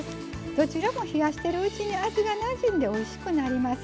どちらも冷やしてるうちに味がなじんでおいしくなります。